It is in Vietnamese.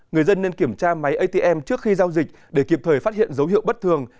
người dân nên kiểm tra máy atm trước khi giao dịch để kịp thời phát hiện dấu hiệu bất thường